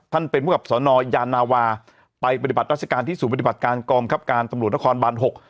ท่านเป็นผู้กับสอนอยานาวาไปปฏิบัติรัศนาการที่สู่ปฏิบัติการกองคับการตรวจนครบานหก